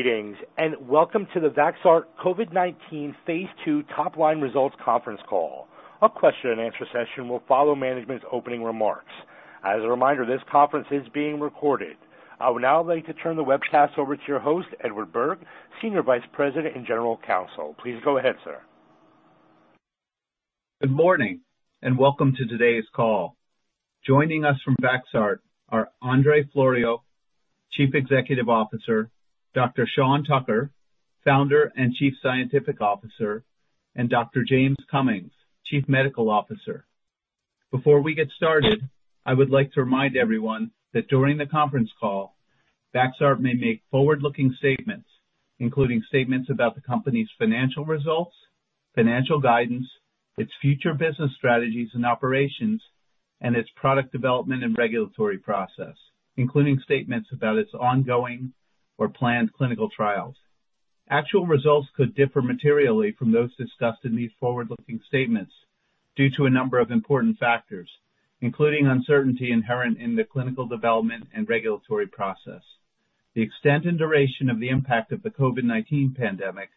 Greetings, and welcome to the Vaxart COVID-19 Phase II Top Line Results conference call. A question and answer session will follow management's opening remarks. As a reminder, this conference is being recorded. I would now like to turn the webcast over to your host, Edward Berg, Senior Vice President and General Counsel. Please go ahead, sir. Good morning and welcome to today's call. Joining us from Vaxart are Andrei Floroiu, Chief Executive Officer, Dr. Sean Tucker, Founder and Chief Scientific Officer, and Dr. James Cummings, Chief Medical Officer. Before we get started, I would like to remind everyone that during the conference call, Vaxart may make forward-looking statements, including statements about the company's financial results, financial guidance, its future business strategies and operations, and its product development and regulatory process, including statements about its ongoing or planned clinical trials. Actual results could differ materially from those discussed in these forward-looking statements due to a number of important factors, including uncertainty inherent in the clinical development and regulatory process, the extent and duration of the impact of the COVID-19 pandemic,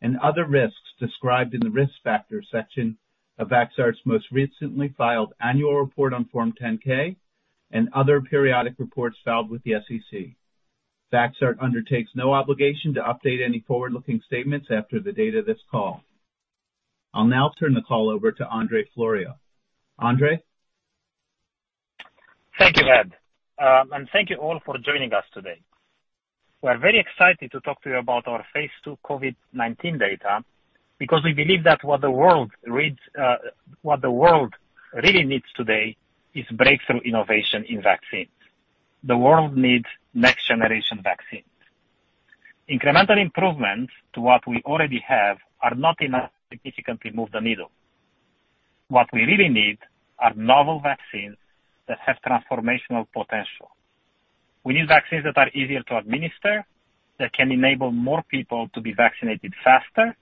and other risks described in the Risk Factors section of Vaxart's most recently filed annual report on Form 10-K and other periodic reports filed with the SEC. Vaxart undertakes no obligation to update any forward-looking statements after the date of this call. I'll now turn the call over to Andrei Floroiu. Andrei? Thank you, Ed, and thank you all for joining us today. We're very excited to talk to you about our phase II COVID-19 data because we believe that what the world needs, what the world really needs today is breakthrough innovation in vaccines. The world needs next generation vaccines. Incremental improvements to what we already have are not enough to significantly move the needle. What we really need are novel vaccines that have transformational potential. We need vaccines that are easier to administer, that can enable more people to be vaccinated faster.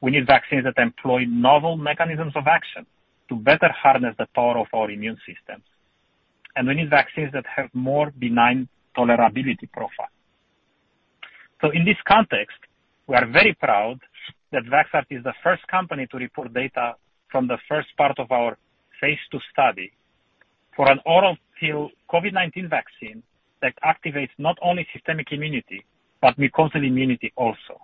We need vaccines that employ novel mechanisms of action to better harness the power of our immune systems. We need vaccines that have more benign tolerability profile. In this context, we are very proud that Vaxart is the first company to report data from the first part of our phase II study for an oral pill COVID-19 vaccine that activates not only systemic immunity, but mucosal immunity also.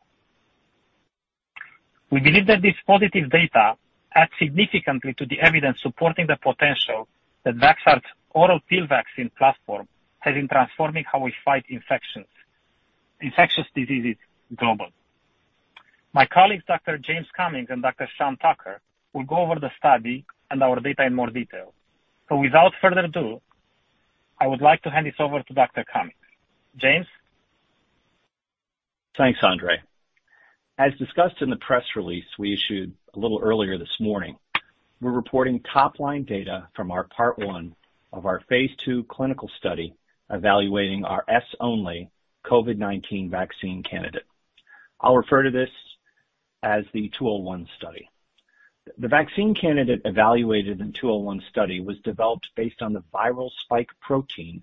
We believe that this positive data adds significantly to the evidence supporting the potential that Vaxart's oral pill vaccine platform has in transforming how we fight infections, infectious diseases globally. My colleagues Dr. James Cummings and Dr. Sean Tucker will go over the study and our data in more detail. Without further ado, I would like to hand this over to Dr. Cummings. James? Thanks, Andrei. As discussed in the press release we issued a little earlier this morning, we're reporting top-line data from our part one of our phase II clinical study evaluating our S-only COVID-19 vaccine candidate. I'll refer to this as the 201 study. The vaccine candidate evaluated in 201 study was developed based on the viral spike protein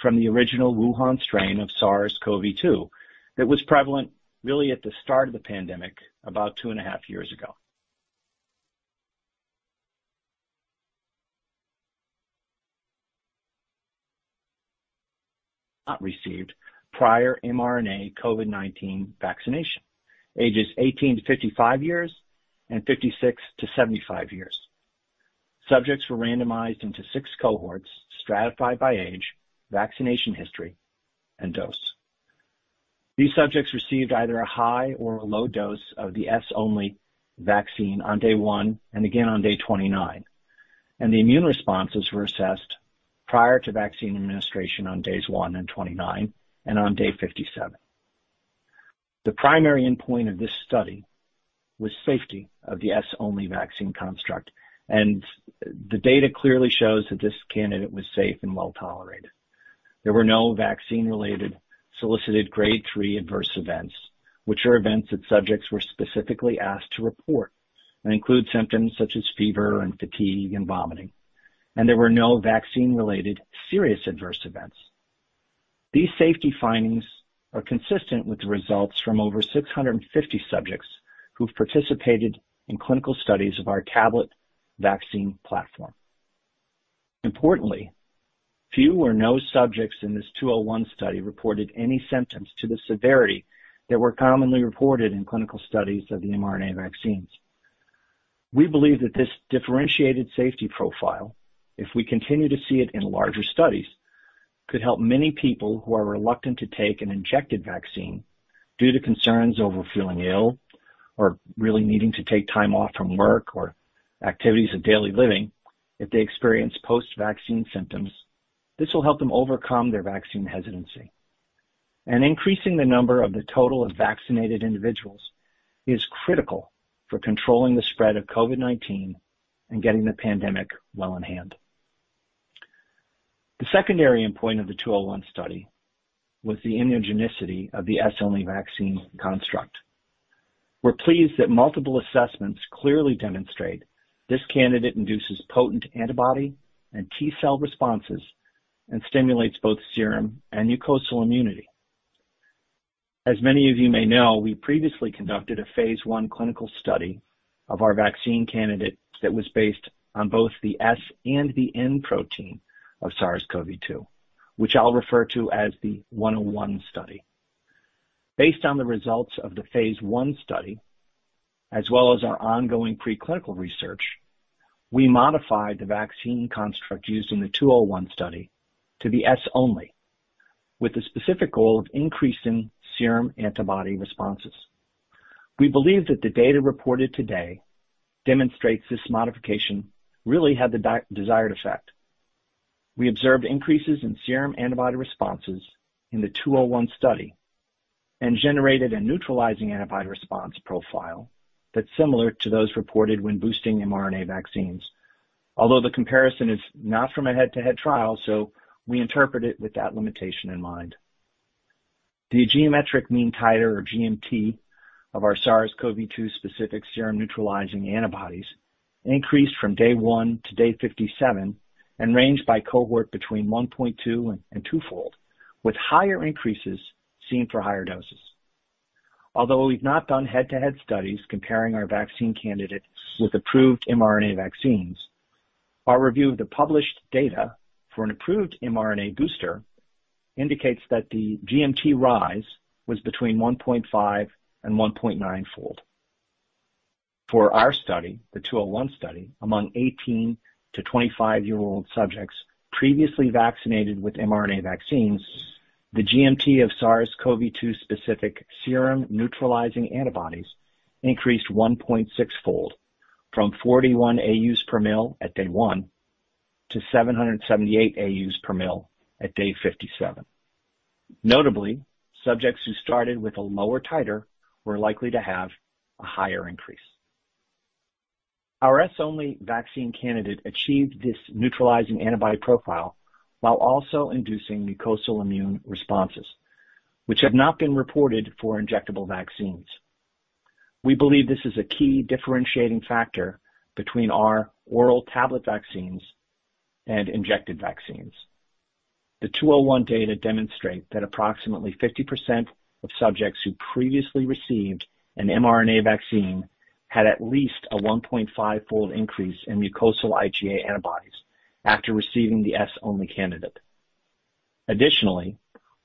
from the original Wuhan strain of SARS-CoV-2 that was prevalent really at the start of the pandemic about two and a half years ago. Not received prior mRNA COVID-19 vaccination, ages 18-55 years and 56-75 years. Subjects were randomized into six cohorts, stratified by age, vaccination history, and dose. These subjects received either a high or a low dose of the S-only vaccine on day one and again on day 29, and the immune responses were assessed prior to vaccine administration on days one and 29 and on day 57. The primary endpoint of this study was safety of the S-only vaccine construct, and the data clearly shows that this candidate was safe and well tolerated. There were no vaccine-related solicited grade three adverse events, which are events that subjects were specifically asked to report and include symptoms such as fever and fatigue and vomiting. There were no vaccine-related serious adverse events. These safety findings are consistent with the results from over 650 subjects who've participated in clinical studies of our tablet vaccine platform. Importantly, few or no subjects in this 201 study reported any symptoms to the severity that were commonly reported in clinical studies of the mRNA vaccines. We believe that this differentiated safety profile, if we continue to see it in larger studies, could help many people who are reluctant to take an injected vaccine due to concerns over feeling ill or really needing to take time off from work or activities of daily living if they experience post-vaccine symptoms. This will help them overcome their vaccine hesitancy. Increasing the number of the total of vaccinated individuals is critical for controlling the spread of COVID-19 and getting the pandemic well in hand. The secondary endpoint of the 201 study was the immunogenicity of the S-only vaccine construct. We're pleased that multiple assessments clearly demonstrate this candidate induces potent antibody and T-cell responses and stimulates both serum and mucosal immunity. Many of you may know, we previously conducted a phase I clinical study of our vaccine candidate that was based on both the S and the N protein of SARS-CoV-2, which I'll refer to as the 101 study. Based on the results of the phase I study, as well as our ongoing preclinical research, we modified the vaccine construct used in the 201 study to be S-only, with the specific goal of increasing serum antibody responses. We believe that the data reported today demonstrates this modification really had the desired effect. We observed increases in serum antibody responses in the 201 study and generated a neutralizing antibody response profile that's similar to those reported when boosting mRNA vaccines. Although the comparison is not from a head-to-head trial, so we interpret it with that limitation in mind. The geometric mean titer, or GMT, of our SARS-CoV-2 specific serum neutralizing antibodies increased from day one to day 57 and ranged by cohort between 1.2 and two-fold, with higher increases seen for higher doses. Although we've not done head-to-head studies comparing our vaccine candidate with approved mRNA vaccines, our review of the published data for an approved mRNA booster indicates that the GMT rise was between 1.5 and 1.9-fold. For our study, the 201 study, among 18 to 25-year-old subjects previously vaccinated with mRNA vaccines, the GMT of SARS-CoV-2 specific serum neutralizing antibodies increased 1.6-fold from 41 AU/ml at day one to 778 AU/ml at day 57. Notably, subjects who started with a lower titer were likely to have a higher increase. Our S-only vaccine candidate achieved this neutralizing antibody profile while also inducing mucosal immune responses, which have not been reported for injectable vaccines. We believe this is a key differentiating factor between our oral tablet vaccines and injected vaccines. The 201 data demonstrate that approximately 50% of subjects who previously received an mRNA vaccine had at least a 1.5-fold increase in mucosal IgA antibodies after receiving the S-only candidate. Additionally,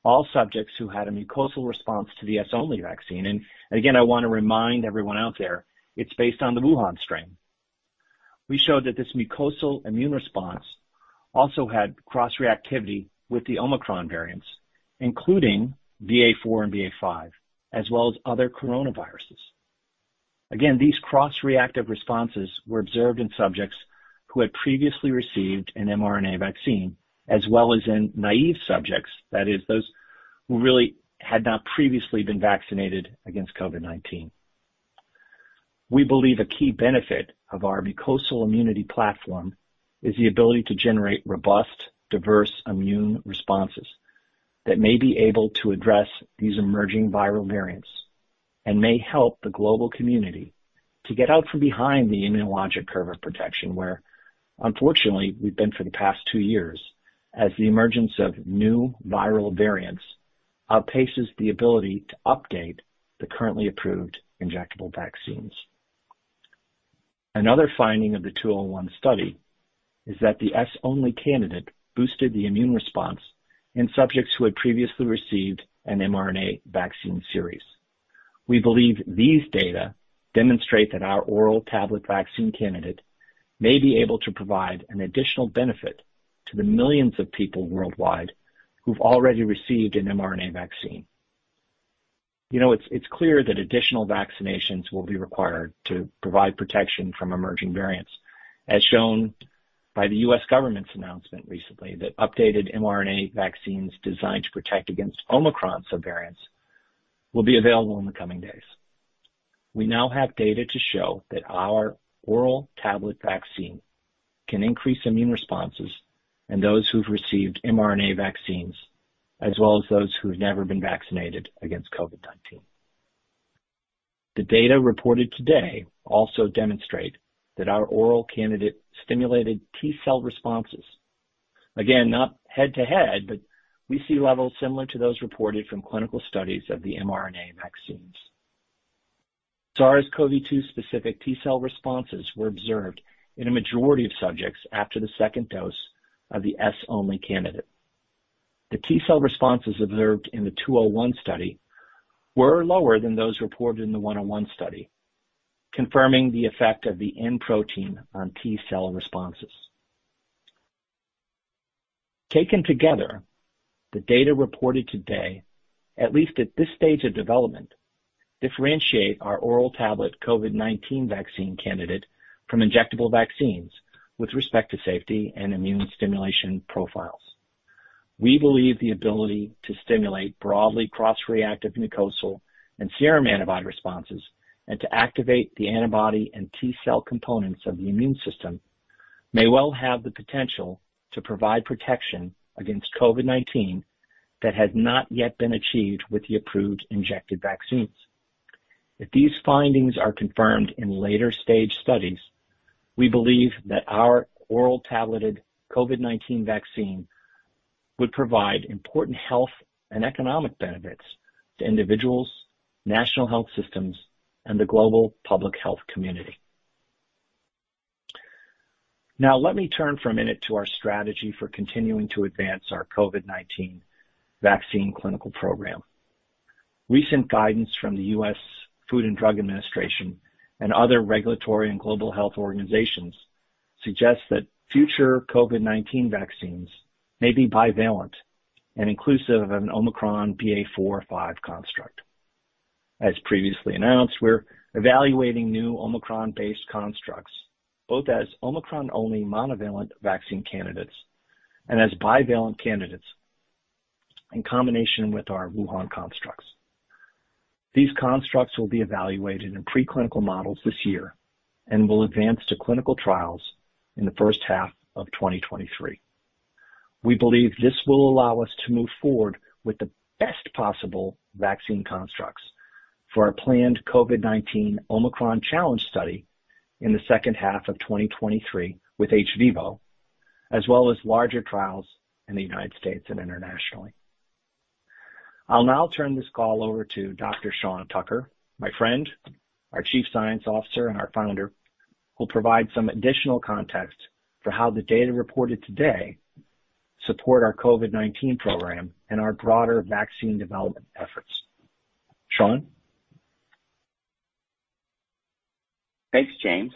all subjects who had a mucosal response to the S-only vaccine, and, again, I want to remind everyone out there, it's based on the Wuhan strain. We showed that this mucosal immune response also had cross-reactivity with the Omicron variants, including BA.4 and BA.5, as well as other coronaviruses. Again, these cross-reactive responses were observed in subjects who had previously received an mRNA vaccine, as well as in naive subjects, that is, those who really had not previously been vaccinated against COVID-19. We believe a key benefit of our mucosal immunity platform is the ability to generate robust, diverse immune responses that may be able to address these emerging viral variants. May help the global community to get out from behind the immunologic curve of protection, where, unfortunately, we've been for the past two years, as the emergence of new viral variants outpaces the ability to update the currently approved injectable vaccines. Another finding of the 201 study is that the S-only candidate boosted the immune response in subjects who had previously received an mRNA vaccine series. We believe these data demonstrate that our oral tablet vaccine candidate may be able to provide an additional benefit to the millions of people worldwide who've already received an mRNA vaccine. You know, it's clear that additional vaccinations will be required to provide protection from emerging variants, as shown by the U.S. government's announcement recently that updated mRNA vaccines designed to protect against Omicron subvariants will be available in the coming days. We now have data to show that our oral tablet vaccine can increase immune responses in those who've received mRNA vaccines, as well as those who have never been vaccinated against COVID-19. The data reported today also demonstrate that our oral candidate stimulated T-cell responses. Again, not head-to-head, but we see levels similar to those reported from clinical studies of the mRNA vaccines. SARS-CoV-2 specific T-cell responses were observed in a majority of subjects after the second dose of the S-only candidate. The T-cell responses observed in the 201 study were lower than those reported in the 101 study, confirming the effect of the N protein on T-cell responses. Taken together, the data reported today, at least at this stage of development, differentiate our oral tablet COVID-19 vaccine candidate from injectable vaccines with respect to safety and immune stimulation profiles. We believe the ability to stimulate broadly cross-reactive mucosal and serum antibody responses and to activate the antibody and T-cell components of the immune system. May well have the potential to provide protection against COVID-19 that has not yet been achieved with the approved injected vaccines. If these findings are confirmed in later stage studies, we believe that our oral tableted COVID-19 vaccine would provide important health and economic benefits to individuals, national health systems, and the global public health community. Now, let me turn for a minute to our strategy for continuing to advance our COVID-19 vaccine clinical program. Recent guidance from the US Food and Drug Administration and other regulatory and global health organizations suggest that future COVID-19 vaccines may be bivalent and inclusive of an Omicron BA.4/5 construct. As previously announced, we're evaluating new Omicron-based constructs, both as Omicron-only monovalent vaccine candidates and as bivalent candidates in combination with our Wuhan constructs. These constructs will be evaluated in preclinical models this year and will advance to clinical trials in the first half of 2023. We believe this will allow us to move forward with the best possible vaccine constructs for our planned COVID-19 Omicron challenge study in the second half of 2023 with hVIVO, as well as larger trials in the United States and internationally. I'll now turn this call over to Dr. Sean Tucker, my friend, our Chief Scientific Officer, and our Founder, who'll provide some additional context for how the data reported today support our COVID-19 program and our broader vaccine development efforts. Sean? Thanks, James.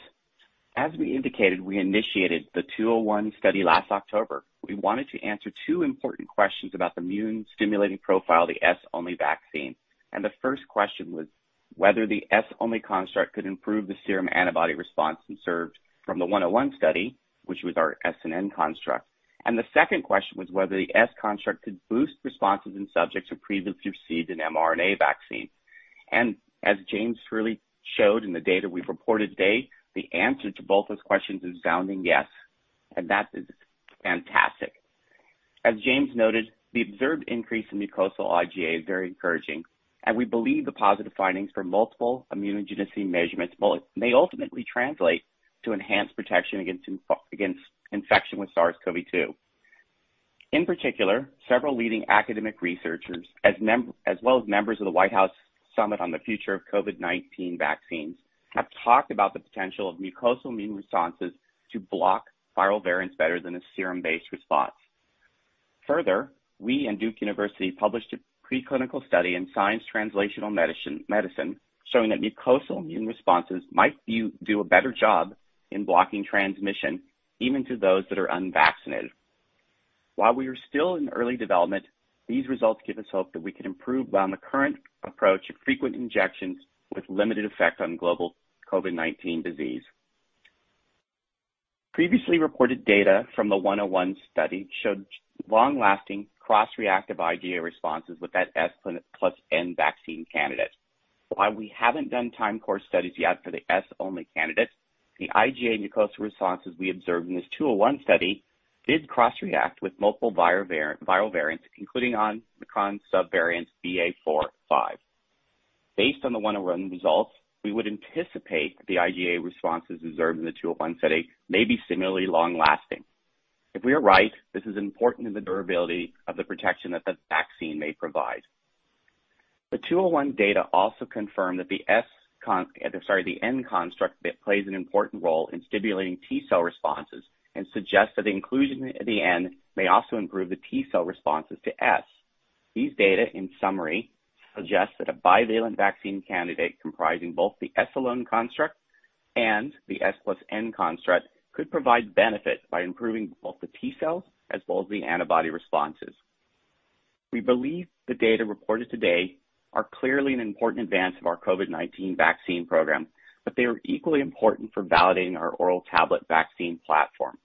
As we indicated, we initiated the 201 study last October. We wanted to answer two important questions about the immune-stimulating profile of the S-only vaccine. The first question was whether the S-only construct could improve the serum antibody response observed from the 101 study, which was our S and N construct. The second question was whether the S construct could boost responses in subjects who previously received an mRNA vaccine. As James clearly showed in the data we've reported today, the answer to both those questions is a resounding yes, and that is fantastic. As James noted, the observed increase in mucosal IgA is very encouraging, and we believe the positive findings for multiple immunogenicity measurements may ultimately translate to enhanced protection against infection with SARS-CoV-2. In particular, several leading academic researchers as well as members of the White House Summit on the Future of COVID-19 Vaccines have talked about the potential of mucosal immune responses to block viral variants better than a serum-based response. Further, we and Duke University published a preclinical study in Science Translational Medicine showing that mucosal immune responses do a better job in blocking transmission even to those that are unvaccinated. While we are still in early development, these results give us hope that we can improve on the current approach of frequent injections with limited effect on global COVID-19 disease. Previously reported data from the 101 study showed long-lasting cross-reactive IgA responses with that S plus N vaccine candidate. While we haven't done time course studies yet for the S-only candidate, the IgA mucosal responses we observed in this 201 study did cross-react with multiple viral variants, including Omicron subvariants BA.4/5. Based on the 101 results, we would anticipate the IgA responses observed in the 201 study may be similarly long-lasting. If we are right, this is important in the durability of the protection that the vaccine may provide. The 201 data also confirm that the N construct plays an important role in stimulating T-cell responses and suggests that the inclusion of the N may also improve the T-cell responses to S. These data, in summary, suggest that a bivalent vaccine candidate comprising both the S-alone construct and the S plus N construct could provide benefit by improving both the T cells as well as the antibody responses. We believe the data reported today are clearly an important advance of our COVID-19 vaccine program, but they are equally important for validating our oral tablet vaccine platform.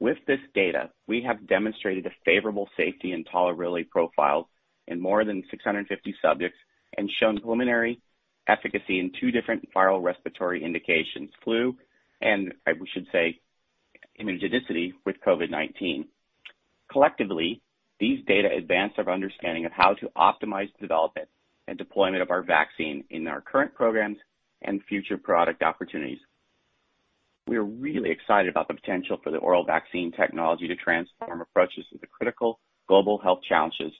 With this data, we have demonstrated a favorable safety and tolerability profile in more than 650 subjects and shown preliminary efficacy in two different viral respiratory indications, flu, and I should say immunogenicity with COVID-19. Collectively, these data advance our understanding of how to optimize development and deployment of our vaccine in our current programs and future product opportunities. We are really excited about the potential for the oral vaccine technology to transform approaches to the critical global health challenges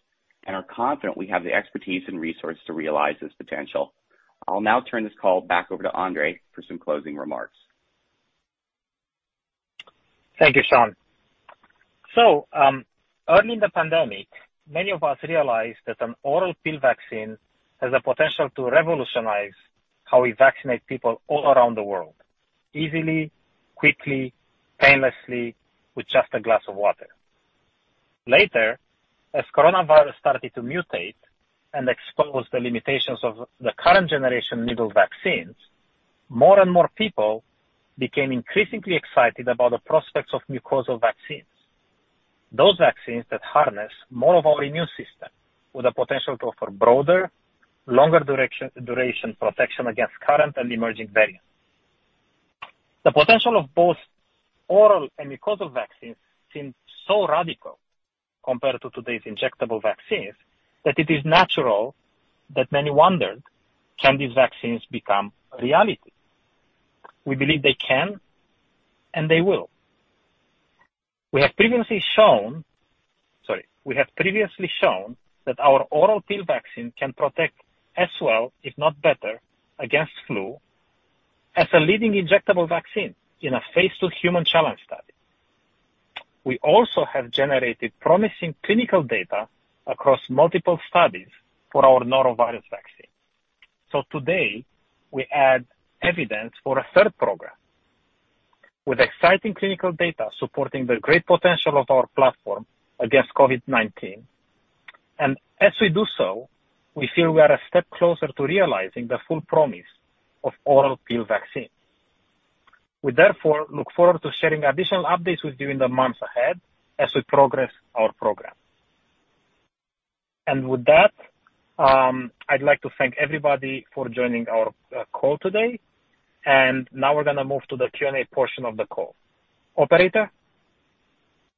and are confident we have the expertise and resources to realize this potential. I'll now turn this call back over to Andrei for some closing remarks. Thank you, Sean. Early in the pandemic, many of us realized that an oral pill vaccine has the potential to revolutionize how we vaccinate people all around the world easily, quickly, painlessly, with just a glass of water. Later, as coronavirus started to mutate and expose the limitations of the current generation needle vaccines, more and more people became increasingly excited about the prospects of mucosal vaccines. Those vaccines that harness more of our immune system with the potential to offer broader, longer duration protection against current and emerging variants. The potential of both oral and mucosal vaccines seems so radical compared to today's injectable vaccines that it is natural that many wondered, can these vaccines become a reality? We believe they can, and they will. We have previously shown. Sorry. We have previously shown that our oral pill vaccine can protect as well, if not better, against flu as a leading injectable vaccine in a phase II human challenge study. We also have generated promising clinical data across multiple studies for our norovirus vaccine. Today, we add evidence for a third program with exciting clinical data supporting the great potential of our platform against COVID-19. As we do so, we feel we are a step closer to realizing the full promise of oral pill vaccine. We therefore look forward to sharing additional updates with you in the months ahead as we progress our program. With that, I'd like to thank everybody for joining our call today. Now we're gonna move to the Q&A portion of the call. Operator?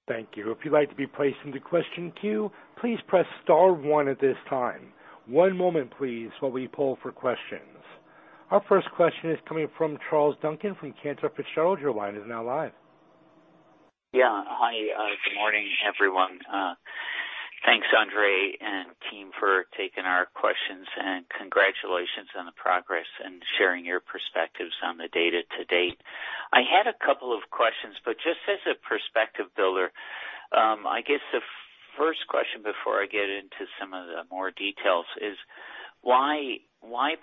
Thank you. If you'd like to be placed in the question queue, please press star one at this time. One moment, please, while we poll for questions. Our first question is coming from Charles Duncan from Cantor Fitzgerald. Your line is now live. Yeah. Hi. Good morning, everyone. Thanks, Andrei and team, for taking our questions, and congratulations on the progress and sharing your perspectives on the data to date. I had a couple of questions, but just as a perspective builder, I guess the first question before I get into some of the more details is why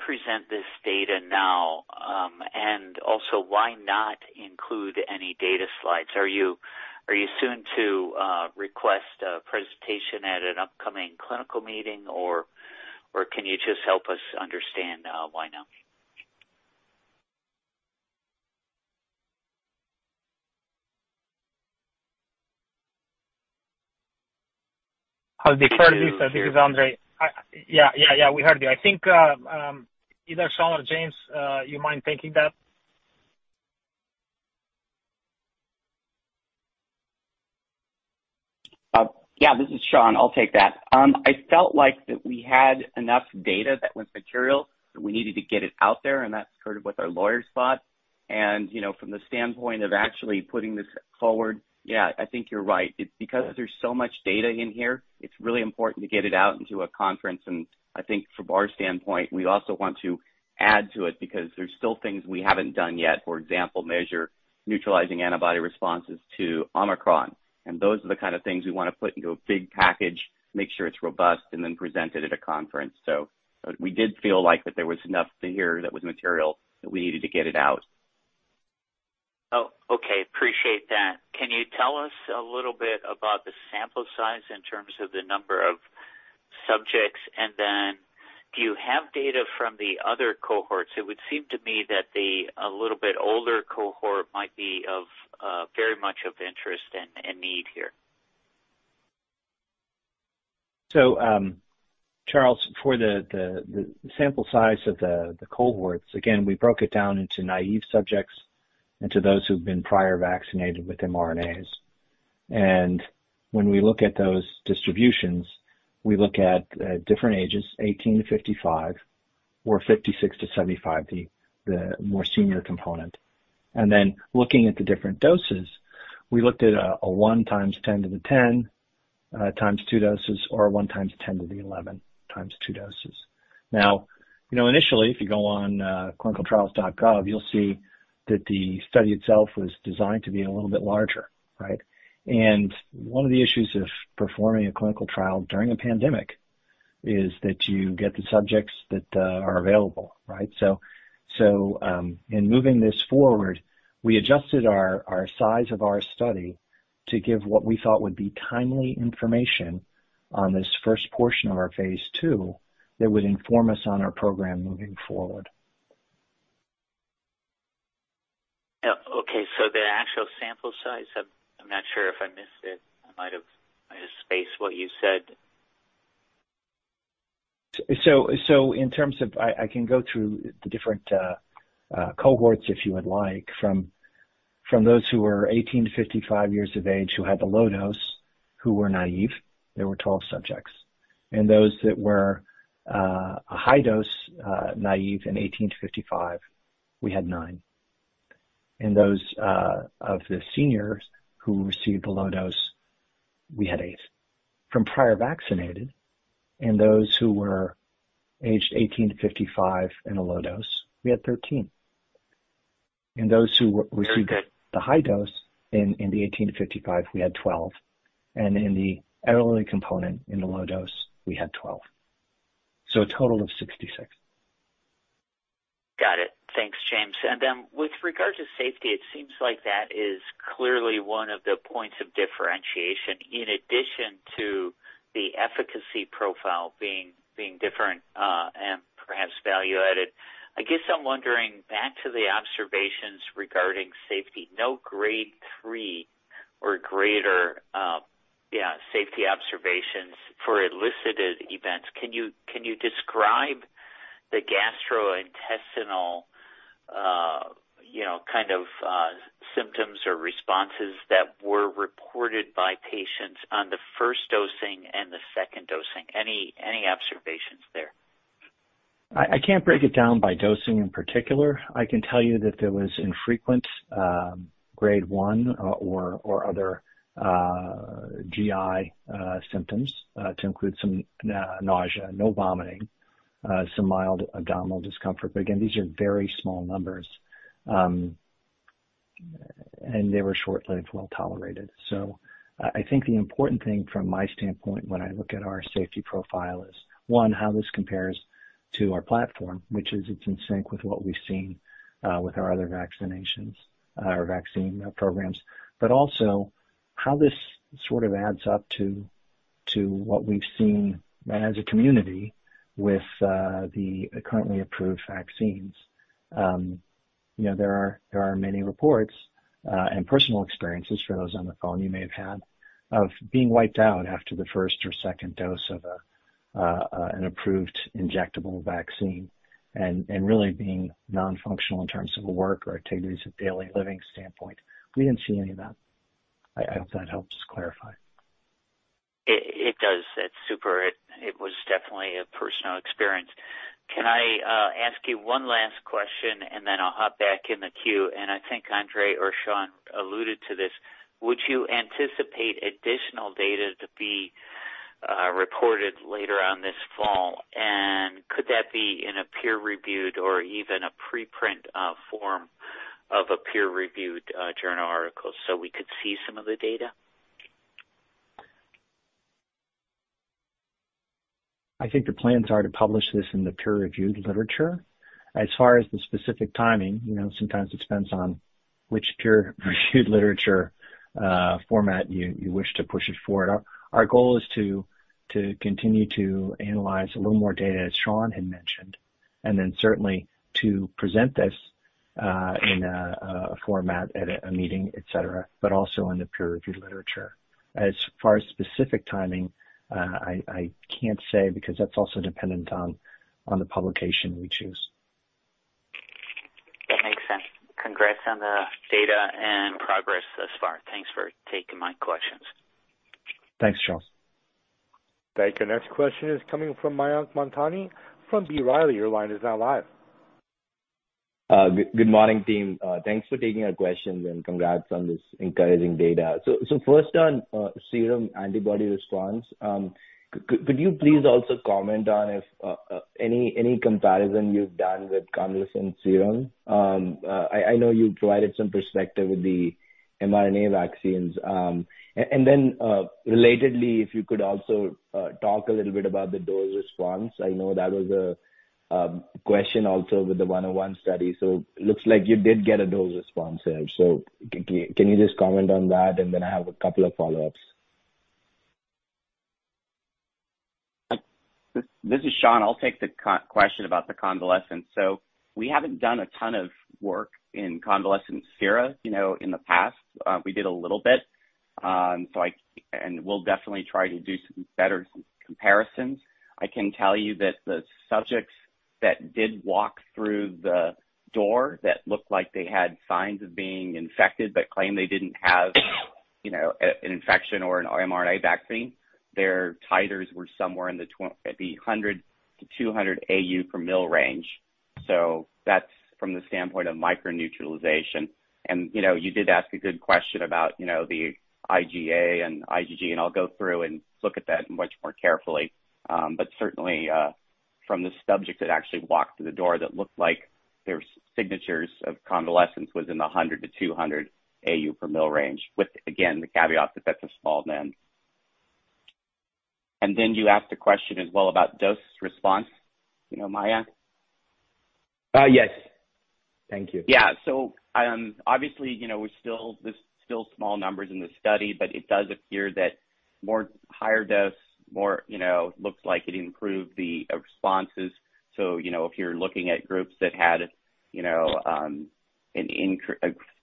present this data now? Also why not include any data slides? Are you soon to request a presentation at an upcoming clinical meeting or can you just help us understand why now? I'll defer to this. This is Andrei. Yeah, we heard you. I think, either Sean or James, you mind taking that? Yeah, this is Sean. I'll take that. I felt like that we had enough data that was material that we needed to get it out there, and that's sort of what our lawyers thought. You know, from the standpoint of actually putting this forward, yeah, I think you're right. It's because there's so much data in here, it's really important to get it out into a conference. I think from our standpoint, we also want to add to it because there's still things we haven't done yet. For example, measure neutralizing antibody responses to Omicron. Those are the kind of things we wanna put into a big package, make sure it's robust, and then present it at a conference. We did feel like that there was enough here that was material that we needed to get it out. Oh, okay. Appreciate that. Can you tell us a little bit about the sample size in terms of the number of subjects? And then do you have data from the other cohorts? It would seem to me that the a little bit older cohort might be of very much of interest and need here. Charles, for the sample size of the cohorts, again, we broke it down into naive subjects and to those who've been prior vaccinated with mRNAs. When we look at those distributions, we look at different ages, 18-55 or 56-75, the more senior component. Looking at the different doses, we looked at a 1 x 10^10 times two doses or a 1 x 10^11 times two doses. Now, you know, initially if you go on clinicaltrials.gov you'll see that the study itself was designed to be a little bit larger, right? One of the issues of performing a clinical trial during a pandemic is that you get the subjects that are available, right? In moving this forward, we adjusted our size of our study to give what we thought would be timely information on this first portion of our phase II that would inform us on our program moving forward. Okay. The actual sample size, I'm not sure if I missed it. I might have spaced what you said. In terms of, I can go through the different cohorts if you would like. From those who were 18-55 years of age who had the low dose who were naive, there were 12 subjects. Those that were a high dose naive in 18-55, we had 9. Those of the seniors who received the low dose, we had 8. From prior vaccinated and those who were aged 18-55 in a low dose, we had 13. Those who received. Very good. The high dose in the 18-55, we had 12. In the elderly component, in the low dose, we had 12. A total of 66. Got it. Thanks, James. Then with regard to safety, it seems like that is clearly one of the points of differentiation in addition to the efficacy profile being different and perhaps value added. I guess I'm wondering, back to the observations regarding safety, no grade three or greater safety observations for solicited events. Can you describe the gastrointestinal, you know, kind of, symptoms or responses that were reported by patients on the first dosing and the second dosing? Any observations there? I can't break it down by dosing in particular. I can tell you that there was infrequent grade one or other GI symptoms to include some nausea, no vomiting, some mild abdominal discomfort, but again, these are very small numbers. They were short-lived, well-tolerated. I think the important thing from my standpoint when I look at our safety profile is, one, how this compares to our platform, which is it's in sync with what we've seen with our other vaccinations or vaccine programs, but also how this sort of adds up to what we've seen as a community with the currently approved vaccines. You know, there are many reports and personal experiences for those on the phone you may have had of being wiped out after the first or second dose of an approved injectable vaccine and really being non-functional in terms of work or activities of daily living standpoint. We didn't see any of that. I hope that helps clarify. It does. That's super. It was definitely a personal experience. Can I ask you one last question, and then I'll hop back in the queue, and I think Andrei or Sean alluded to this. Would you anticipate additional data to be reported later on this fall? Could that be in a peer-reviewed or even a pre-print form of a peer-reviewed journal article so we could see some of the data? I think the plans are to publish this in the peer-reviewed literature. As far as the specific timing, you know, sometimes it depends on which peer-reviewed literature format you wish to push it forward. Our goal is to continue to analyze a little more data, as Sean had mentioned, and then certainly to present this in a format at a meeting, et cetera, but also in the peer-reviewed literature. As far as specific timing, I can't say because that's also dependent on the publication we choose. That makes sense. Congrats on the data and progress thus far. Thanks for taking my questions. Thanks, Charles. Thank you. Next question is coming from Mayank Mamtani from B. Riley. Your line is now live. Good morning, team. Thanks for taking our questions, and congrats on this encouraging data. First on serum antibody response, could you please also comment on if any comparison you've done with convalescent serum? I know you provided some perspective with the mRNA vaccines. And then, relatedly, if you could also talk a little bit about the dose response? I know that was a question also with the 101 study. Looks like you did get a dose response there. Can you just comment on that? And then I have a couple of follow-ups. This is Sean. I'll take the question about the convalescent. We haven't done a ton of work in convalescent sera, you know, in the past. We did a little bit. We'll definitely try to do some better comparisons. I can tell you that the subjects that did walk through the door that looked like they had signs of being infected, but claimed they didn't have, you know, an infection or an mRNA vaccine, their titers were somewhere in the 100 AU/ml-200 AU/ml range. That's from the standpoint of microneutralization. You did ask a good question about, you know, the IgA and IgG, and I'll go through and look at that much more carefully. Certainly, from the subject that actually walked through the door that looked like their signatures of convalescence was in the 100 AU/ml-200 AU/ml range with, again, the caveat that that's a small N. You asked a question as well about dose response, you know, Mayank? Yes. Thank you. Yeah. Obviously, you know, we're still, this is still small numbers in this study, but it does appear that more higher dose, more, you know, looks like it improved the responses. You know, if you're looking at groups that had, you know, a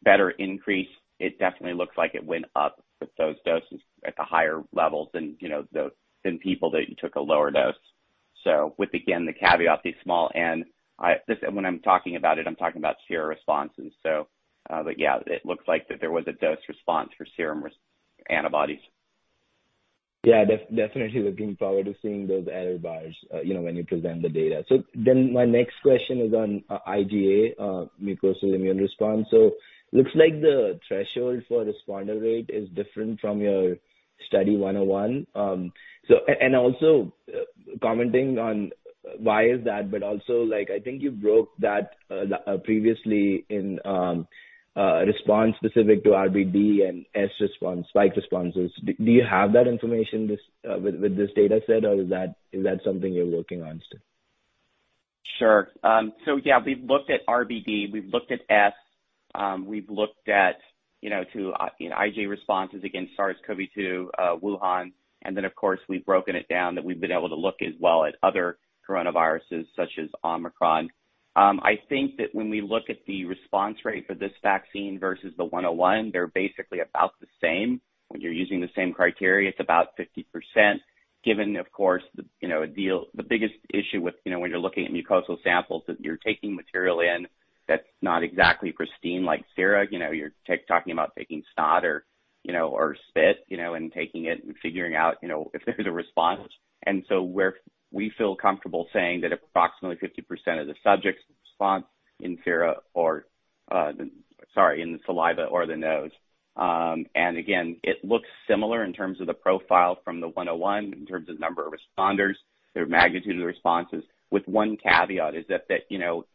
better increase, it definitely looks like it went up with those doses at the higher levels than, you know, the, than people that took a lower dose. With, again, the caveat, these small N. This, and when I'm talking about it, I'm talking about sera responses. But yeah, it looks like that there was a dose response for serum antibodies. Yeah, definitely looking forward to seeing those error bars, you know, when you present the data. My next question is on IgA mucosal immune response. Looks like the threshold for responder rate is different from your study 101. And also commenting on why is that, but also, like, I think you broke that out previously in response specific to RBD and S response, spike responses. Do you have that information with this data set, or is that something you're working on still? Sure. Yeah, we've looked at RBD, we've looked at S, we've looked at, you know, IG responses against SARS-CoV-2, Wuhan, and then, of course, we've broken it down that we've been able to look as well at other coronaviruses such as Omicron. I think that when we look at the response rate for this vaccine versus the 101, they're basically about the same. When you're using the same criteria, it's about 50% given, of course, you know, the biggest issue with, you know, when you're looking at mucosal samples, that you're taking material in that's not exactly pristine like sera. You know, you're talking about taking snot or, you know, or spit, you know, and taking it and figuring out, you know, if there's a response. We feel comfortable saying that approximately 50% of the subjects respond in sera or in the saliva or the nose. Again, it looks similar in terms of the profile from the 101 in terms of number of responders, their magnitude of responses with one caveat, that you know,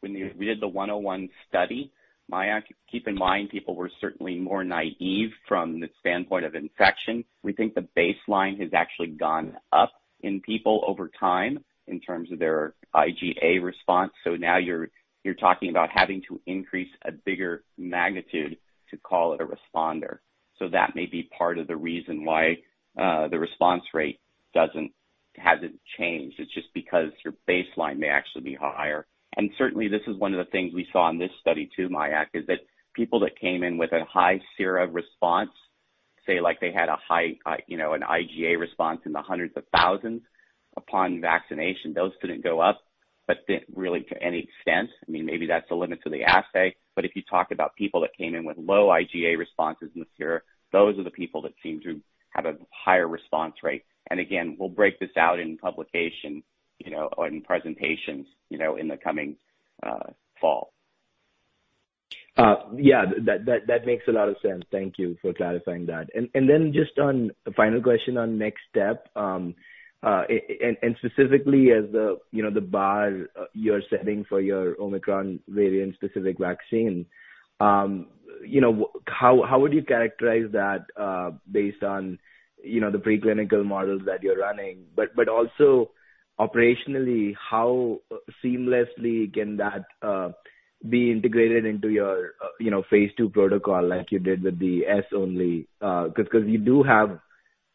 when we did the 101 study, Mayank, keep in mind, people were certainly more naïve from the standpoint of infection. We think the baseline has actually gone up in people over time in terms of their IgA response. Now you're talking about having to increase a bigger magnitude to call it a responder. That may be part of the reason why the response rate hasn't changed. It's just because your baseline may actually be higher. Certainly, this is one of the things we saw in this study too, Mayank, is that people that came in with a high sera response, say like they had a high, you know, an IgA response in the hundreds of thousands upon vaccination, those didn't go up, but didn't really to any extent. I mean, maybe that's the limit to the assay. If you talk about people that came in with low IgA responses in the sera, those are the people that seem to have a higher response rate. Again, we'll break this out in publication, you know, on presentations, you know, in the coming, fall. Yeah, that makes a lot of sense. Thank you for clarifying that. Then just on final question on next step, specifically as the, you know, the bar you're setting for your Omicron variant-specific vaccine, you know, how would you characterize that, based on, you know, the preclinical models that you're running, but also operationally, how seamlessly can that be integrated into your, you know, phase II protocol like you did with the S-only? 'Cause you do have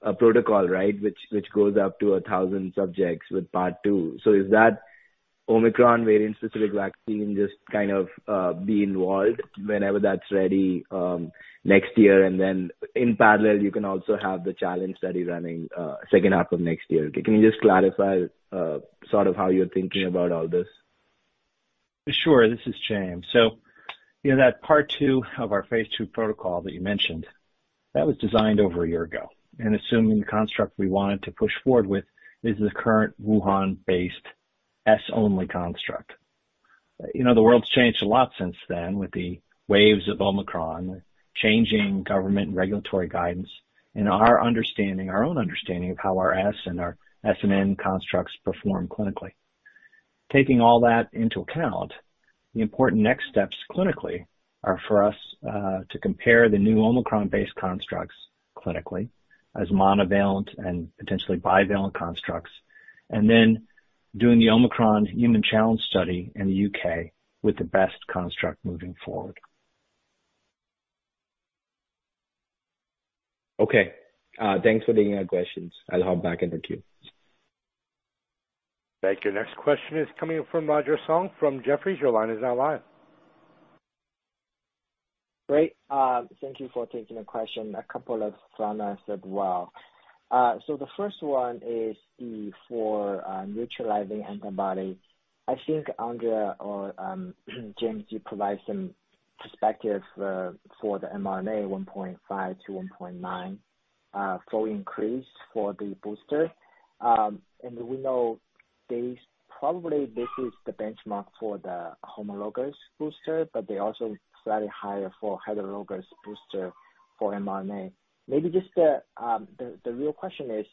a protocol, right? Which goes up to 1,000 subjects with part two. Is that Omicron variant-specific vaccine just kind of be involved whenever that's ready, next year? In parallel you can also have the challenge study running, second half of next year. Can you just clarify, sort of how you're thinking about all this? Sure. This is James. You know that part two of our phase II protocol that you mentioned, that was designed over a year ago, and assuming the construct we wanted to push forward with is the current Wuhan-based S-only construct. You know, the world's changed a lot since then with the waves of Omicron, changing government regulatory guidance and our understanding, our own understanding of how our S and our S and N constructs perform clinically. Taking all that into account, the important next steps clinically are for us to compare the new Omicron-based constructs clinically as monovalent and potentially bivalent constructs, and then doing the Omicron human challenge study in the UK with the best construct moving forward. Okay. Thanks for taking the questions. I'll hop back in the queue. Thank you. Next question is coming from Roger Song from Jefferies. Your line is now live. Great. Thank you for taking the question. A couple from us as well. So the first one is the neutralizing antibody. I think Andrei or James, you provide some perspective for the mRNA 1.5 to 1.9 fold increase for the booster. We know this is probably the benchmark for the homologous booster, but they're also slightly higher for heterologous booster for mRNA. Maybe just the real question is,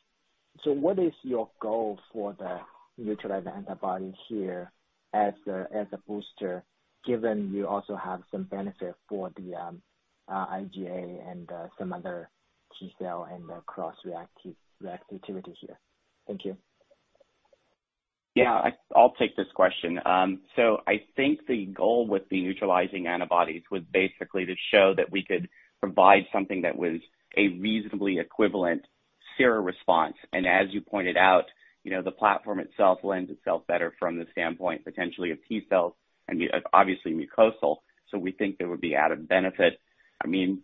so what is your goal for the neutralizing antibody here as a booster, given you also have some benefit for the IgA and some other T-cell and the cross reactive reactivities here? Thank you. Yeah. I'll take this question. I think the goal with the neutralizing antibodies was basically to show that we could provide something that was a reasonably equivalent serum response. As you pointed out, you know, the platform itself lends itself better from the standpoint potentially of T-cells and obviously mucosal. We think there would be added benefit. I mean,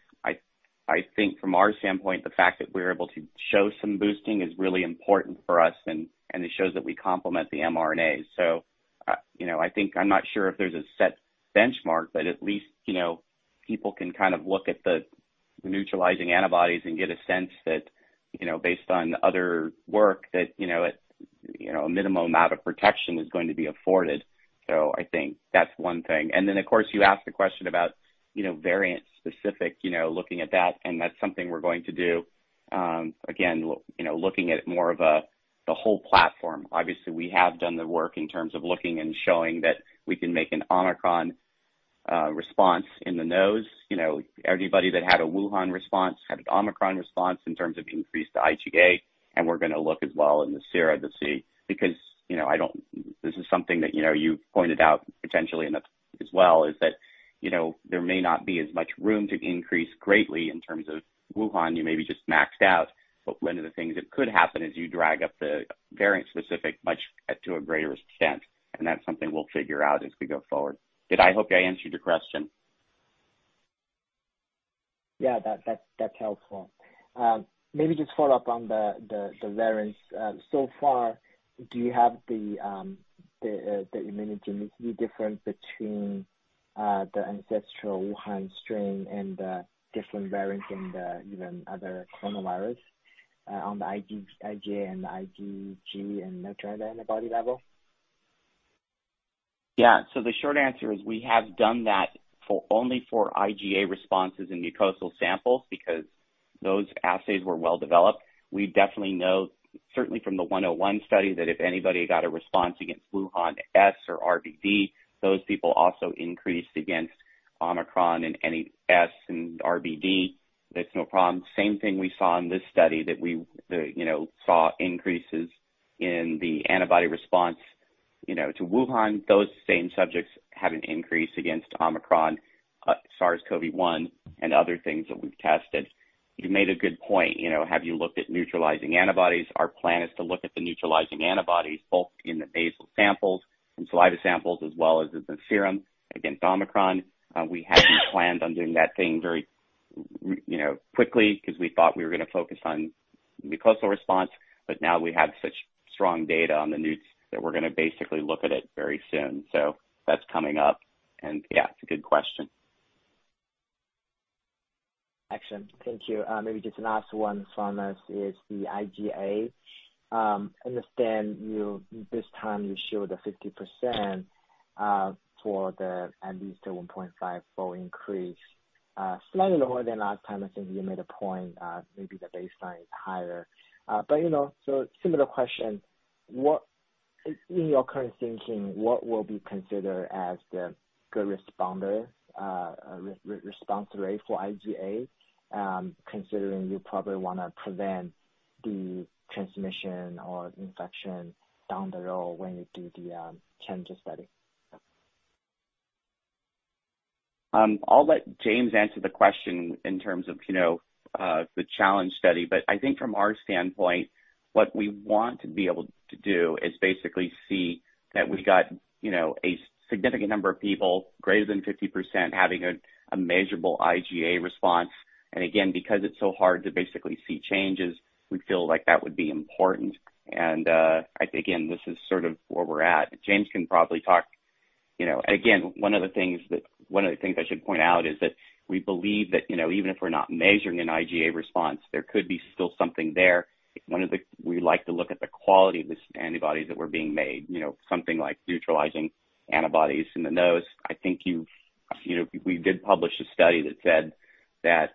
I think from our standpoint, the fact that we're able to show some boosting is really important for us and it shows that we complement the mRNAs. You know, I think I'm not sure if there's a set benchmark, but at least, you know, people can kind of look at the neutralizing antibodies and get a sense that, you know, based on other work that, you know, a minimum amount of protection is going to be afforded. I think that's one thing. Then of course you asked the question about, you know, variant specific, you know, looking at that, and that's something we're going to do. Again, you know, looking at more of the whole platform. Obviously we have done the work in terms of looking and showing that we can make an Omicron response in the nose. You know, anybody that had a Wuhan response had an Omicron response in terms of increased IgA, and we're gonna look as well in the sera to see. Because, you know, I don't. This is something that, you know, you pointed out potentially in the past as well, is that, you know, there may not be as much room to increase greatly in terms of Wuhan. You maybe just maxed out. One of the things that could happen is you drag up the variant specific much to a greater extent, and that's something we'll figure out as we go forward. Hope I answered your question. Yeah, that's helpful. Maybe just follow up on the variants. So far, do you have the immunogenicity difference between the ancestral Wuhan strain and the different variants and even other coronavirus on the IgA and the IgG and neutralizing antibody level? Yeah. The short answer is we have done that only for IgA responses in mucosal samples because those assays were well developed. We definitely know certainly from the 101 study that if anybody got a response against Wuhan S or RBD, those people also increased against Omicron and any S and RBD. That's no problem. Same thing we saw in this study that we saw increases in the antibody response, you know, to Wuhan. Those same subjects had an increase against Omicron, SARS-CoV-1 and other things that we've tested. You made a good point. You know, have you looked at neutralizing antibodies? Our plan is to look at the neutralizing antibodies both in the nasal samples and saliva samples as well as in the serum against Omicron. We hadn't planned on doing that thing very, you know, quickly 'cause we thought we were gonna focus on mucosal response, but now we have such strong data on the news that we're gonna basically look at it very soon. That's coming up and yeah, it's a good question. Excellent. Thank you. Maybe just last one from us is the IgA. Understand you this time you showed a 50% for the at least a 1.5-fold increase, slightly lower than last time. I think you made a point, maybe the baseline is higher. But you know, similar question. What, in your current thinking, what will be considered as the good responder response rate for IgA, considering you probably wanna prevent the transmission or infection down the road when you do the challenge study? I'll let James answer the question in terms of, you know, the challenge study. I think from our standpoint, what we want to be able to do is basically see that we got, you know, a significant number of people greater than 50% having a measurable IgA response. Again, because it's so hard to basically see changes, we feel like that would be important. I think again, this is sort of where we're at. James can probably talk, you know. One of the things I should point out is that we believe that, you know, even if we're not measuring an IgA response, there could be still something there. We like to look at the quality of the antibodies that were being made, you know, something like neutralizing antibodies in the nose. I think you've, you know, we did publish a study that said that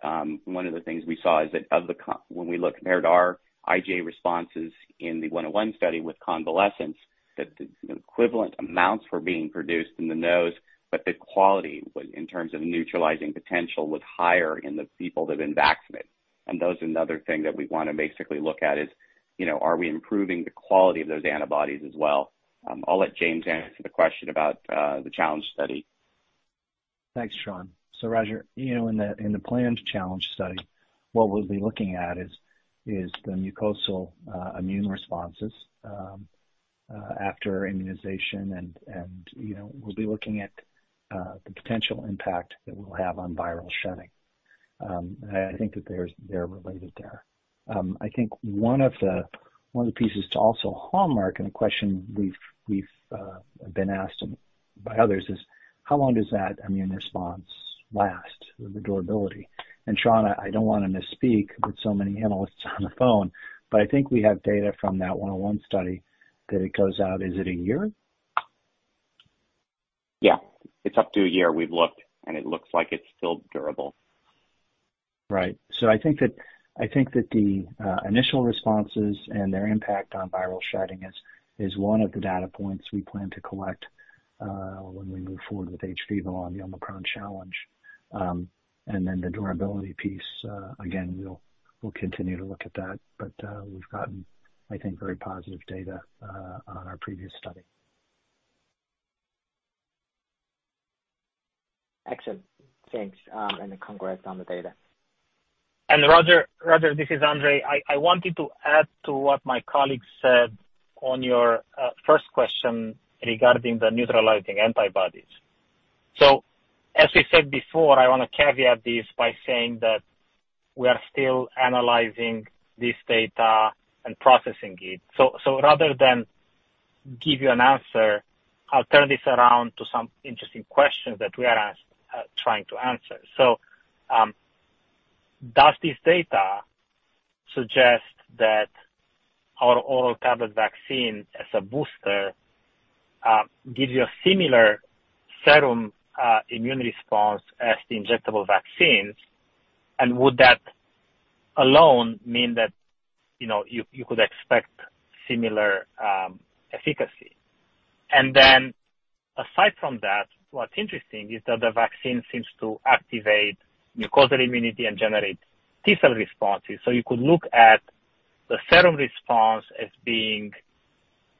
one of the things we saw is that when we looked compared our IgA responses in the 101 study with convalescents, that the equivalent amounts were being produced in the nose, but the quality in terms of neutralizing potential was higher in the people that had been vaccinated. Those are another thing that we wanna basically look at is, you know, are we improving the quality of those antibodies as well? I'll let James answer the question about the challenge study. Thanks, Sean. Roger, you know, in the planned challenge study, what we'll be looking at is the mucosal immune responses after immunization and, you know, we'll be looking at the potential impact that we'll have on viral shedding. I think that they're related there. I think one of the pieces to also hallmark, and a question we've been asked and by others, is how long does that immune response last, the durability? Sean, I don't wanna misspeak with so many analysts on the phone, but I think we have data from that 101 study that it goes out, is it a year? Yeah. It's up to a year. We've looked, and it looks like it's still durable. Right. I think that the initial responses and their impact on viral shedding is one of the data points we plan to collect when we move forward with hVIVO on the Omicron challenge. The durability piece, again, we'll continue to look at that. We've gotten, I think, very positive data on our previous study. Excellent. Thanks. Congrats on the data. Roger, this is Andrei. I wanted to add to what my colleague said on your first question regarding the neutralizing antibodies. As we said before, I wanna caveat this by saying that we are still analyzing this data and processing it. Rather than give you an answer, I'll turn this around to some interesting questions that we are trying to answer. Does this data suggest that our oral tablet vaccine as a booster gives you a similar serum immune response as the injectable vaccines? And would that alone means that, you know, you could expect similar efficacy. Aside from that, what's interesting is that the vaccine seems to activate mucosal immunity and generate T-cell responses. You could look at the serum response as being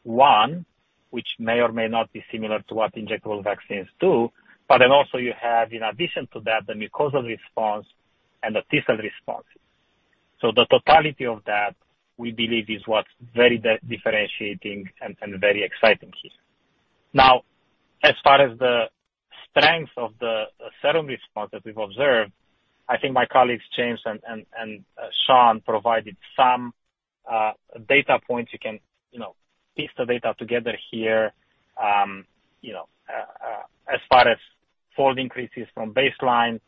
one, which may or may not be similar to what injectable vaccines do, but then also you have, in addition to that, the mucosal response and the T-cell response. The totality of that, we believe, is what's very differentiating and very exciting here. Now, as far as the strength of the serum response that we've observed, I think my colleagues, James and Sean, provided some data points you can, you know, piece the data together here. As far as fold increases from baseline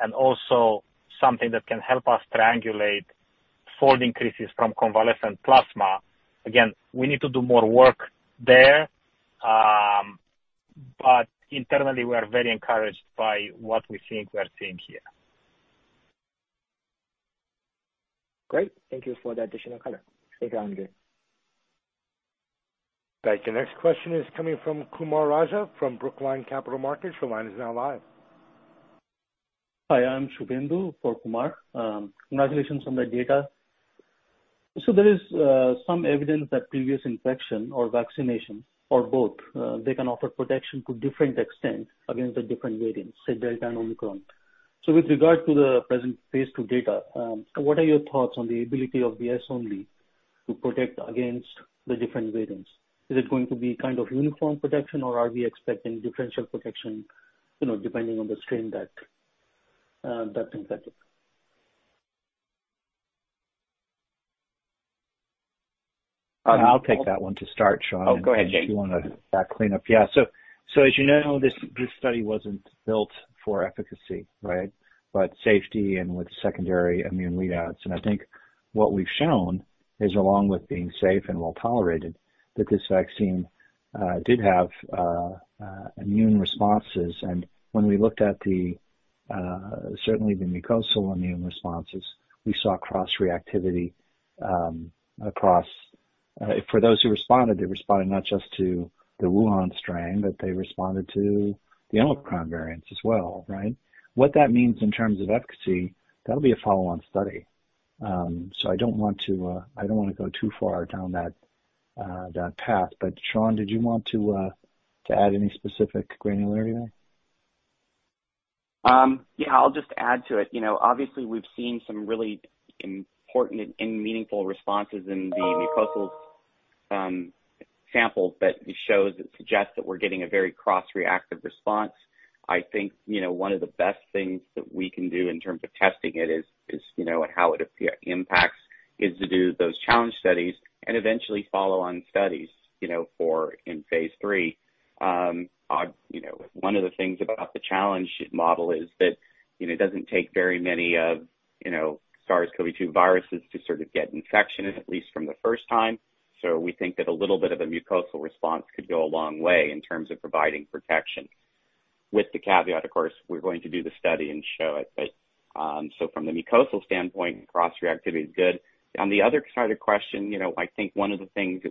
and also something that can help us triangulate fold increases from convalescent plasma. Again, we need to do more work there, but internally we are very encouraged by what we think we are seeing here. Great. Thank you for the additional color. Thank you, Andrei Floroiu. Thank you. Next question is coming from Kumar Raja from Brookline Capital Markets. Your line is now live. Hi, I'm Shubhendu for Kumar Raja. Congratulations on the data. There is some evidence that previous infection or vaccination or both, they can offer protection to different extent against the different variants, say Delta and Omicron. With regard to the present phase II data, what are your thoughts on the ability of S-only to protect against the different variants? Is it going to be kind of uniform protection or are we expecting differential protection, you know, depending on the strain that's infected? Um- I'll take that one to start, Sean. Oh, go ahead, James. As you know, this study wasn't built for efficacy, right? It was for safety and with secondary immune readouts. I think what we've shown is, along with being safe and well tolerated, that this vaccine did have immune responses. When we looked at certainly the mucosal immune responses, we saw cross-reactivity across for those who responded, they responded not just to the Wuhan strain, but they responded to the Omicron variants as well, right? What that means in terms of efficacy, that'll be a follow-on study. I don't want to go too far down that path. Sean, did you want to add any specific granularity there? Yeah, I'll just add to it. You know, obviously we've seen some really important and meaningful responses in the mucosal samples. It suggests that we're getting a very cross-reactive response. I think, you know, one of the best things that we can do in terms of testing it is, you know, to do those challenge studies and eventually follow-on studies, you know, for phase III. You know, one of the things about the challenge model is that, you know, it doesn't take very many of, you know, SARS-CoV-2 viruses to sort of get infection, at least from the first time. So we think that a little bit of a mucosal response could go a long way in terms of providing protection. With the caveat, of course, we're going to do the study and show it. From the mucosal standpoint, cross-reactivity is good. On the other side of the question, you know, I think one of the things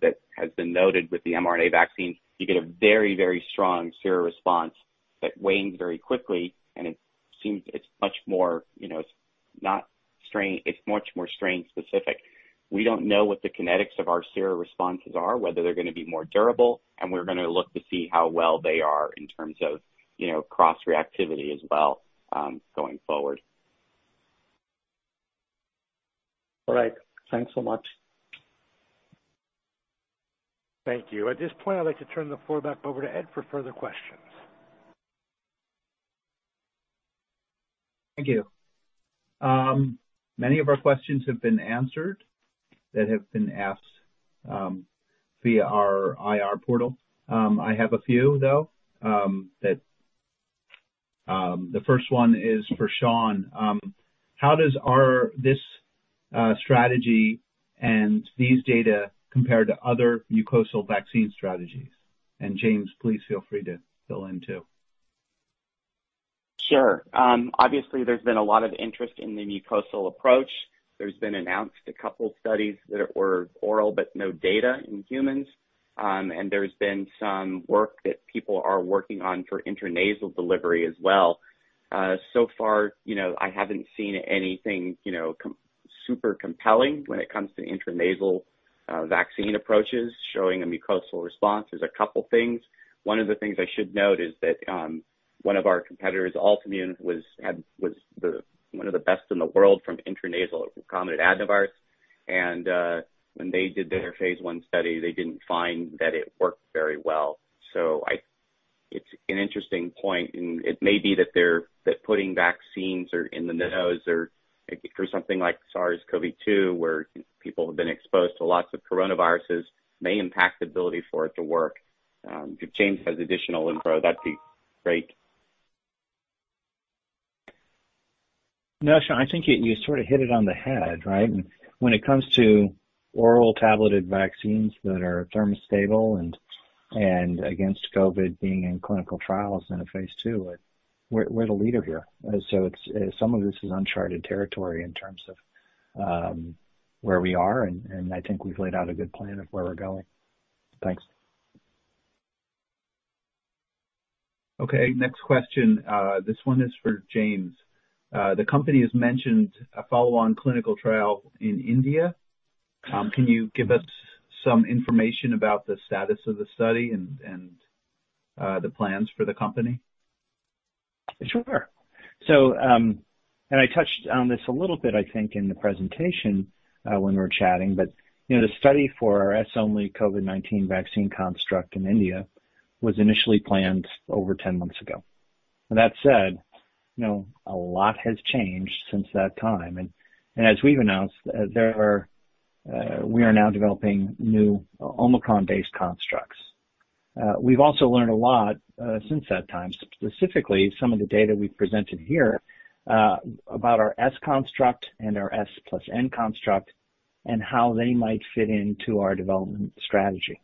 that has been noted with the mRNA vaccine, you get a very, very strong sera response that wanes very quickly, and it seems it's much more, you know, strain specific. We don't know what the kinetics of our sera responses are, whether they're gonna be more durable, and we're gonna look to see how well they are in terms of, you know, cross-reactivity as well, going forward. All right. Thanks so much. Thank you. At this point, I'd like to turn the floor back over to Ed for further questions. Thank you. Many of our questions have been answered that have been asked via our IR portal. I have a few though, the first one is for Sean. How does this strategy and these data compare to other mucosal vaccine strategies? James, please feel free to fill in too. Sure. Obviously there's been a lot of interest in the mucosal approach. There's been announced a couple studies that were oral, but no data in humans. There's been some work that people are working on for intranasal delivery as well. So far, you know, I haven't seen anything, you know, super compelling when it comes to intranasal vaccine approaches showing a mucosal response. There's a couple things. One of the things I should note is that one of our competitors, Altimmune, was one of the best in the world from intranasal recombinant adenovirus. When they did their phase I study, they didn't find that it worked very well. It's an interesting point, and it may be that putting vaccines in the nose or for something like SARS-CoV-2, where people have been exposed to lots of coronaviruses, may impact the ability for it to work. If James has additional info, that'd be great. No, Sean, I think you sort of hit it on the head, right? When it comes to oral tableted vaccines that are thermostable and against COVID being in clinical trials in phase II, we're the leader here. It's some of this is uncharted territory in terms of where we are, and I think we've laid out a good plan of where we're going. Thanks. Okay, next question. This one is for James. The company has mentioned a follow-on clinical trial in India. Can you give us some information about the status of the study and the plans for the company? Sure. I touched on this a little bit, I think, in the presentation, when we were chatting, but, you know, the study for our S-only COVID-19 vaccine construct in India was initially planned over 10 months ago. That said, you know, a lot has changed since that time. As we've announced, we are now developing new Omicron-based constructs. We've also learned a lot since that time, specifically some of the data we've presented here, about our S construct and our S plus N construct, and how they might fit into our development strategy.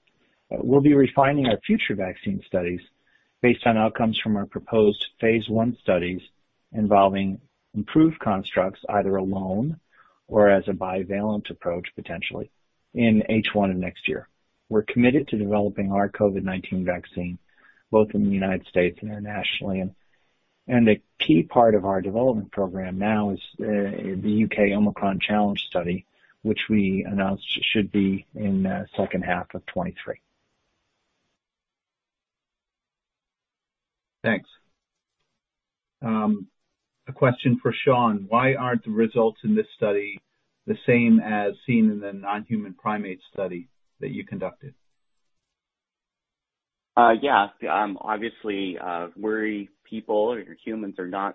We'll be refining our future vaccine studies based on outcomes from our proposed phase I studies involving improved constructs, either alone or as a bivalent approach, potentially, in H1 of next year. We're committed to developing our COVID-19 vaccine both in the United States and internationally. A key part of our development program now is the UK Omicron challenge study, which we announced should be in second half of 2023. Thanks. A question for Sean. Why aren't the results in this study the same as seen in the non-human primate study that you conducted? Obviously, people or humans are not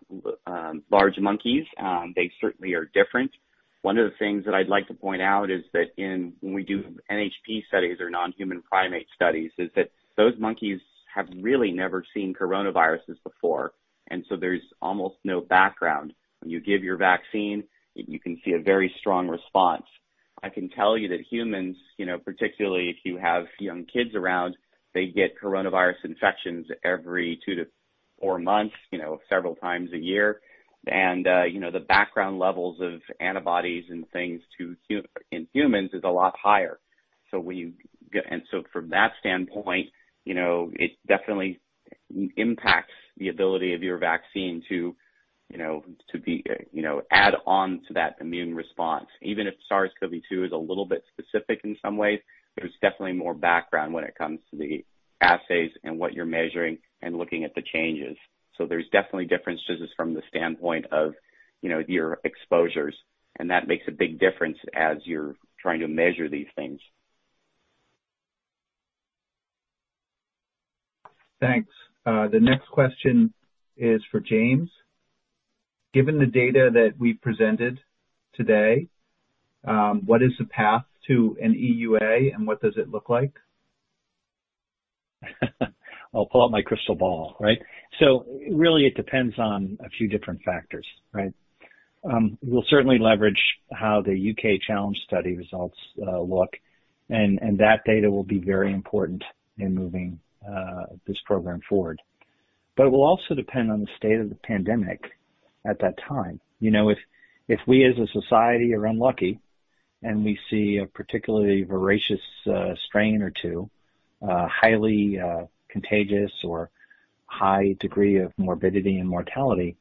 large monkeys. They certainly are different. One of the things that I'd like to point out is that when we do NHP studies or non-human primate studies, those monkeys have really never seen coronaviruses before, and so there's almost no background. When you give your vaccine, you can see a very strong response. I can tell you that humans, you know, particularly if you have young kids around, they get coronavirus infections every two to four months, you know, several times a year. You know, the background levels of antibodies and things in humans is a lot higher. From that standpoint, you know, it definitely impacts the ability of your vaccine to, you know, to be, you know, add on to that immune response. Even if SARS-CoV-2 is a little bit specific in some ways, there's definitely more background when it comes to the assays and what you're measuring and looking at the changes. There's definitely differences from the standpoint of, you know, your exposures, and that makes a big difference as you're trying to measure these things. Thanks. The next question is for James. Given the data that we presented today, what is the path to an EUA, and what does it look like? I'll pull out my crystal ball, right? Really it depends on a few different factors, right? We'll certainly leverage how the UK challenge study results look, and that data will be very important in moving this program forward. It will also depend on the state of the pandemic at that time. You know, if we as a society are unlucky and we see a particularly voracious strain or two, highly contagious or high degree of morbidity and mortality,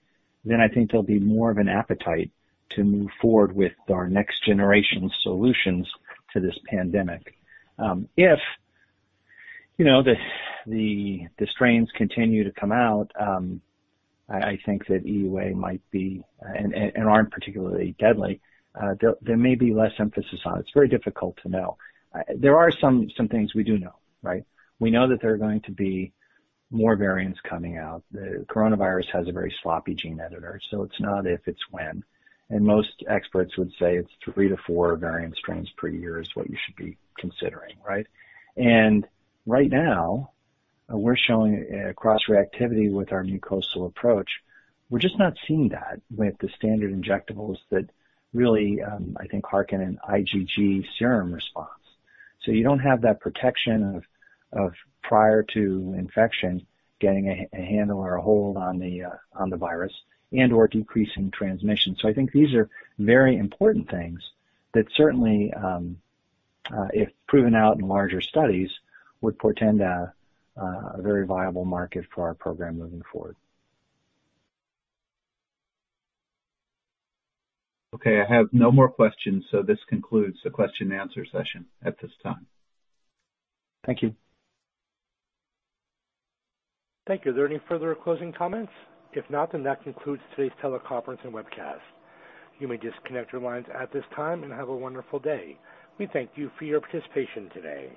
then I think there'll be more of an appetite to move forward with our next generation solutions to this pandemic. If you know, the strains continue to come out, I think that EUA might be and aren't particularly deadly, there may be less emphasis on it. It's very difficult to know. There are some things we do know, right? We know that there are going to be more variants coming out. The coronavirus has a very sloppy gene editor, so it's not if, it's when. Most experts would say it's three to four variant strains per year is what you should be considering, right? Right now, we're showing a cross-reactivity with our mucosal approach. We're just not seeing that with the standard injectables that really, I think harken an IgG serum response. You don't have that protection of prior to infection getting a handle or a hold on the virus and/or decreasing transmission. I think these are very important things that certainly, if proven out in larger studies, would portend a very viable market for our program moving forward. Okay. I have no more questions, so this concludes the question and answer session at this time. Thank you. Thank you. Are there any further closing comments? If not, then that concludes today's teleconference and webcast. You may disconnect your lines at this time, and have a wonderful day. We thank you for your participation today.